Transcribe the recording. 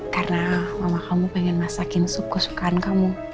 karena mama kamu pengen masakin sup kesukaan kamu